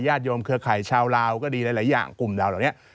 โยมเครือข่ายชาวลาวก็ดีหลายอย่างกลุ่มดาวเหล่านี้